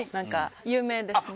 有名ですね。